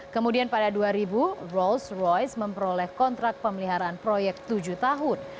kemudian pada dua ribu rolls royce memperoleh kontrak pemeliharaan proyek tujuh tahun